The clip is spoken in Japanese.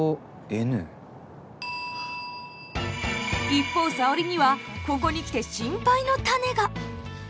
一方沙織にはここに来て心配の種が。